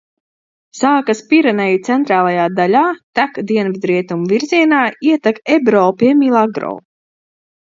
Sākas Pireneju centrālajā daļā, tek dienvidrietumu virzienā, ietek Ebro pie Milagro.